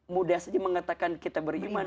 mudah saja mengatakan kita beriman